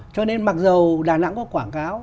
cho nên mặc dù đà nẵng có quảng cáo